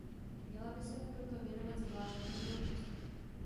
Měla by se mu proto věnovat zvláštní pozornost.